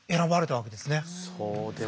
そうですね。